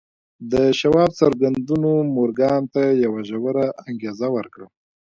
د شواب څرګندونو مورګان ته يوه ژوره انګېزه ورکړه.